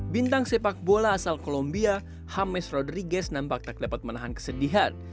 bintang sepak bola asal kolombia hammes rodrigus nampak tak dapat menahan kesedihan